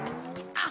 あっ。